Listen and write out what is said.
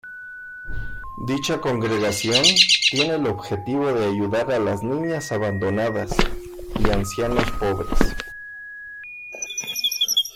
Dicha congregación, tiene el objetivo de ayudar a las niñas abandonadas, y ancianos pobres.